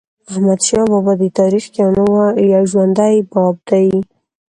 احمدشاه بابا د تاریخ یو ژوندی باب دی.